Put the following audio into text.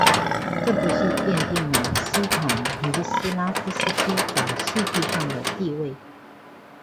这部戏奠定了斯坦尼斯拉夫斯基在戏剧上的地位。